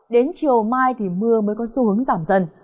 đến chiều mai thì mưa mới có xu hướng giảm dần